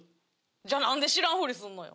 じゃなんで知らんふりするのよ。